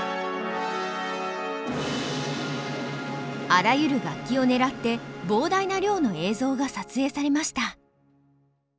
あらゆる楽器を狙って膨大な量の映像が撮影されました。